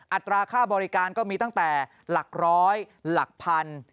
อัตราค่าบริการก็มีตั้งแต่หลักร้อยหลักพัน